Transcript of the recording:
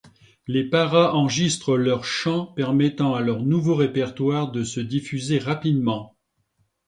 Les paras enregistrent leurs chants permettant à leur nouveau répertoire de se diffuser rapidement.